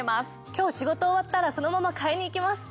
今日仕事終わったらそのまま買いに行きます。